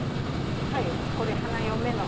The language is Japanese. はいこれ花嫁の。